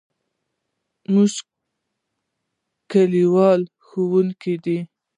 زموږ کلیوال ښوونکی دی.